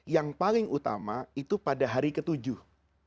yang paling utama itu pada hari ketujuh